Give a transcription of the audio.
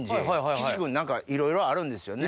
岸君いろいろあるんですよね？